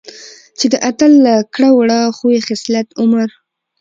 چې د اتل له کړه وړه ،خوي خصلت، عمر،